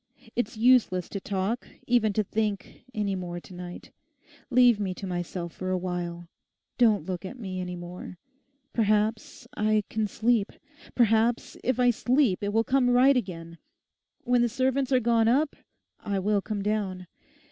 It's useless to talk, even to think, any more to night. Leave me to myself for a while. Don't look at me any more. Perhaps I can sleep: perhaps if I sleep it will come right again. When the servants are gone up, I will come down.